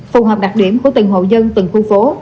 phù hợp đặc điểm của từng hộ dân từng khu phố